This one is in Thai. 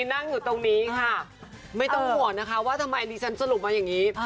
นั่งอยู่ตรงนี้ค่ะไม่ต้องห่วงนะคะว่าทำไมดิฉันสรุปมาอย่างนี้